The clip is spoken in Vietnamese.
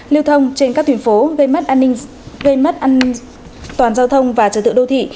liêu thông trên các tuyến phố gây mất an toàn giao thông và trở tựa đô thị